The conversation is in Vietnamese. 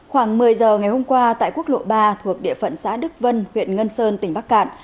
khoảng một mươi giờ ngày hôm qua tại quốc lộ ba thuộc địa phận xã đức vân huyện ngân sơn tỉnh bắc cạn